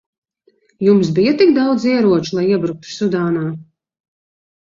Jums bija tik daudz ieroču, lai iebruktu Sudānā.